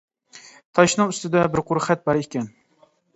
تاشنىڭ ئۈستىدە بىر قۇر خەت بار ئىكەن.